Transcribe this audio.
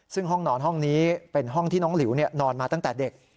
ซึ่งห้องนอนห้องนี้เป็นห้องที่น้องหลิวนอนมาตั้งแต่เด็ก